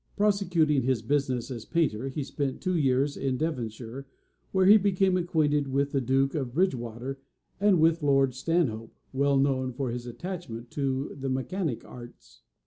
Prosecuting his business as painter, he spent two years in Devonshire, where he became acquainted with the duke of Bridgewater and with lord Stanhope, well known for his attachment to the mechanic arts.